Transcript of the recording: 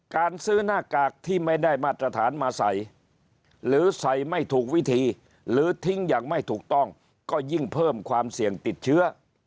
การซื้อหน้ากากที่ไม่ได้มาตรฐานมาใส่หรือใส่ไม่ถูกวิธีหรือทิ้งอย่างไม่ถูกต้องก็ยิ่งเพิ่มความเสี่ยงติดเชื้อ